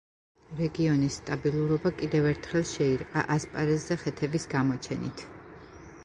რეგიონის სტაბილურობა კიდევ ერთხელ შეირყა ასპარეზზე ხეთების გამოჩენით.